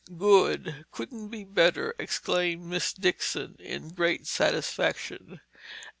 "Good. Couldn't be better!" exclaimed Miss Dixon in great satisfaction.